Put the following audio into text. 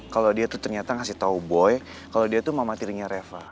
kalau dia tuh ternyata ngasih tau boy kalau dia tuh mau materinya reva